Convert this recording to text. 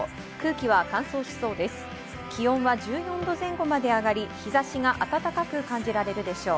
気温は１４度前後まで上がり日差しが暖かく感じられるでしょう。